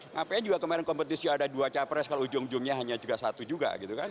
ngapain juga kemarin kompetisi ada dua capres kalau ujung ujungnya hanya juga satu juga gitu kan